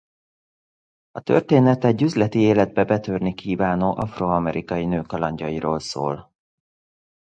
A történet egy üzleti életbe betörni kívánó afroamerikai nő kalandjairól szól.